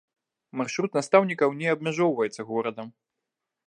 Маршрут настаўнікаў не абмяжоўваецца горадам.